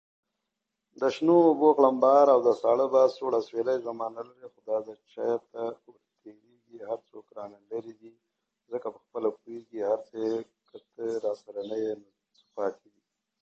Its name comes from the Greek word "eleutheros" which means "free".